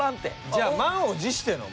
じゃあ満を持しての？